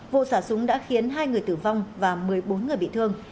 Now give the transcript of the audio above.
vụ xả súng đã khiến hai người tử vong và một mươi bốn người bị thương